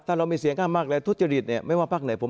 คืออย่างนี้ครับ